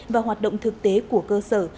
và hoạt động thực tế của cơ sở